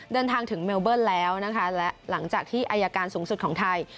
เดินทางถึงเมลเบิ้ลแล้วนะคะและหลังจากที่อายการสูงสุดของไทย